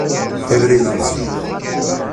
Abrid ameẓyan.